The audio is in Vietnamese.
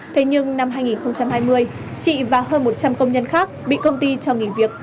thế nhưng năm hai nghìn hai mươi chị và hơn một trăm linh công nhân khác bị công ty cho nghỉ việc